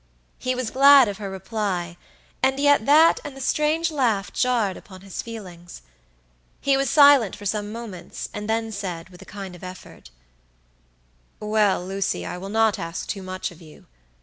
He was glad of her reply; and yet that and the strange laugh jarred upon his feelings. He was silent for some moments, and then said, with a kind of effort: "Well, Lucy, I will not ask too much of you.